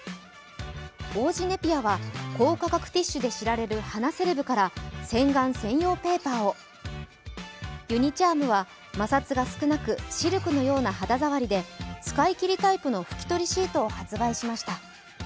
王子ネピアは高価格ティッシュで知られる鼻セレブから洗顔専用ペーパーを、ユニ・チャームは摩擦が少なくシルクのような肌触りで使い切りタイプの拭き取りシートを発売しました。